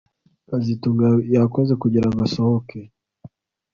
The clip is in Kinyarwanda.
kazitunga yakoze kugirango asohoke